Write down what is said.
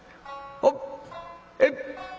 えっ」。